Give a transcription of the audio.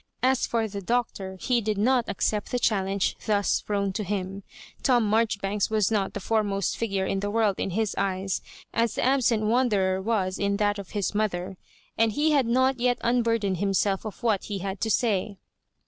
As for the Doctor, he did not accept the challenge thus thrown to him. Tom Marjoribanks was not the foremost figure in the world in his eyes, as the absent wanderer was in that of his mother; and he had not yet unburdened himself of what he had to say.